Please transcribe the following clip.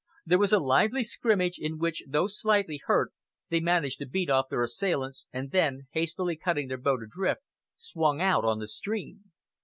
There was a lively scrimmage, in which, though slightly hurt, they managed to beat off their assailants, and then, hastily cutting their boat adrift, swung out on the stream.